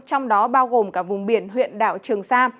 trong đó bao gồm cả vùng biển huyện đảo trường sa